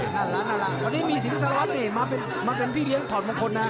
นั่นล่ะวันนี้มีศิลป์ศาลวัฒน์มาเป็นพี่เลี้ยงทอดมงคลนะ